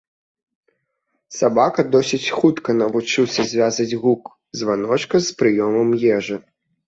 Сабака досыць хутка навучыўся звязваць гук званочка з прыёмам ежы.